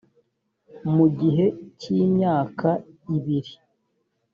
mu gihe cy imyaka ibiri